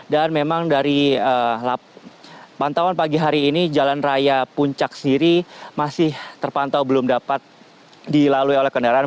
dan memang dari pantauan pagi hari ini jalan raya puncak sendiri masih terpantau belum dapat dilalui oleh kendaraan